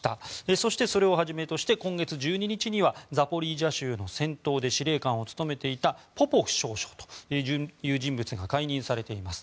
そしてそれをはじめとして今月１２日にはザポリージャ州の戦闘で司令官を務めていたポポフ少将という人物が解任されています。